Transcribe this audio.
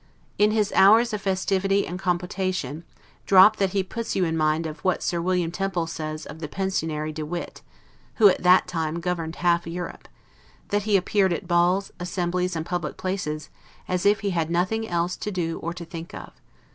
In his hours of festivity and compotation, drop that he puts you in mind of what Sir William Temple says of the Pensionary De Witt, who at that time governed half Europe, that he appeared at balls, assemblies, and public places, as if he had nothing else to do or to think of.